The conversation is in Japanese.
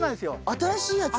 新しいやつだ。